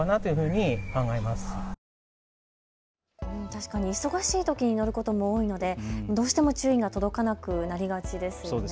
確かに忙しいときに乗ることも多いので、どうしても注意が届かなくなりがちですよね。